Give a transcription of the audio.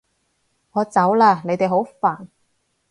我走喇！你哋好煩